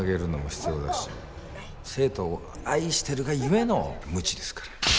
生徒を愛してるがゆえのムチですから。